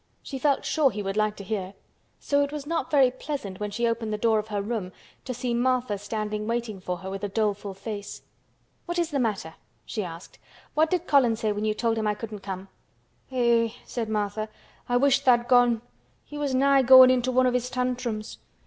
She felt sure he would like to hear. So it was not very pleasant when she opened the door of her room, to see Martha standing waiting for her with a doleful face. "What is the matter?" she asked. "What did Colin say when you told him I couldn't come?" "Eh!" said Martha, "I wish tha'd gone. He was nigh goin' into one o' his tantrums.